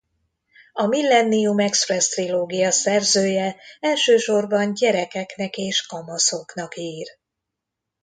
A Millennium expressz-trilógia szerzője elsősorban gyerekeknek és kamaszoknak ír.